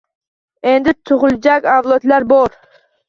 Endi tug‘ilajak avlodlar bor.